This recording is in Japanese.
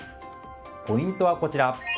ポイントはこちら。